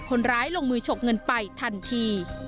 คนร้ายลงมือฉกเงินไปทันที